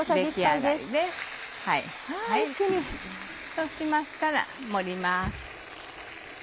そうしましたら盛ります。